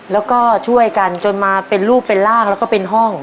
แล้วก็ช่วยกันจนมาเป็นรูปเป็นร่างแล้วก็เป็นห้อง